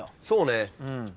そうね。